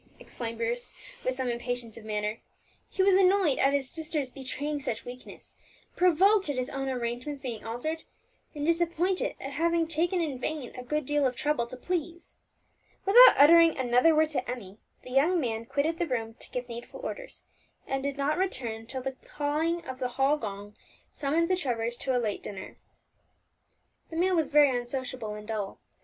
exclaimed Bruce, with some impatience of manner. He was annoyed at his sister's betraying such weakness, provoked at his own arrangements being altered, and disappointed at having taken in vain a good deal of trouble to please. Without uttering another word to Emmie, the young man quitted the room to give needful orders, and did not return till the clang of the hall gong summoned the Trevors to a late dinner. The meal was very unsociable and dull.